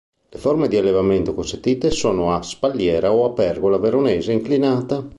Le forme di allevamento consentite sono a spalliera o a pergola veronese inclinata.